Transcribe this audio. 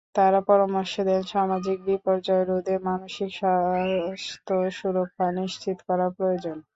তাঁরা পরামর্শ দেন, সামাজিক বিপর্যয় রোধে মানসিক স্বাস্থ্য সুরক্ষা নিশ্চিত করা প্রয়োজন।